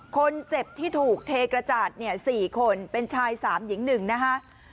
คนเจ็บที่ถูกเทกระจาดเนี่ย๔คนเป็นชาย๓หญิง๑นะคะ